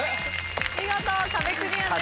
見事壁クリアです。